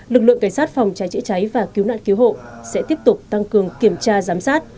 lực lượng cảnh sát phòng cháy chữa cháy và cứu nạn cứu hộ sẽ tiếp tục tăng cường kiểm tra giám sát